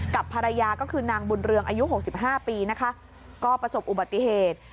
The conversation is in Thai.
กับภรรยาก็คือนางบุญเรืองอายุ๖๕ปีนะคะก็ประสบอุบัติเหตุ